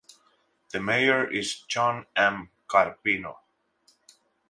The Mayor is John M. Carpino.